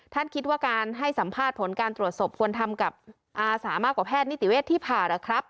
ท่านคิดว่าการให้สัมภาษณ์ผลการตรวจศพควรทำกับอาสามากกว่าแพทย์นิติเวทที่ผ่าเหรอครับ